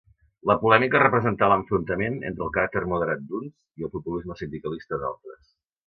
La polèmica representà l’enfrontament entre el caràcter moderat d’uns i el populisme sindicalista d’altres.